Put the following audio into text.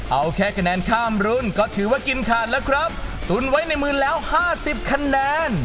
เอาแค่คะแนนข้ามรุ่นก็ถือว่ากินขาดแล้วครับตุนไว้ในมือแล้วห้าสิบคะแนน